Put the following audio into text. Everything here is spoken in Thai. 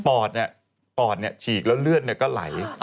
เพราะว่าปอดเนี่ยปอดเนี่ยฉีกแล้วเลือดเนี่ยก็ไหล